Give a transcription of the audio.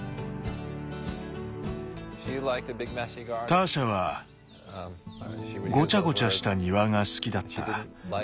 ターシャはごちゃごちゃした庭が好きだった。